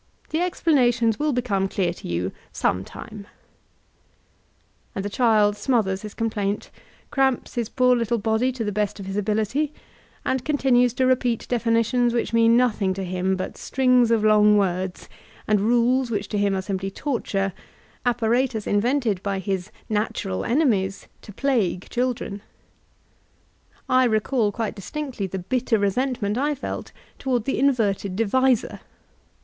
The explanations will become clear to you some time." And the child smothers his complaint, cramps his poor little body to the best of his ability, and continues to repeat definitions which mean nothing to him but strings of kmg words, and rules whidi to him are simply torture — apparatus mvented by hb ''natural enemies'' to plague MoDBEN Educational Rbvork 39JI childrtii. — ^I recall quite distinctly the bitter resentment I felt toward the inverted divisor.